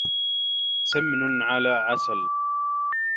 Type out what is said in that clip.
سمن على عسل